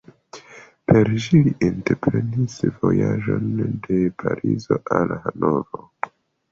Per ĝi li entreprenis vojaĝon de Parizo al Hanovro.